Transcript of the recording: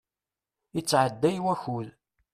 Ittɛedday wakud.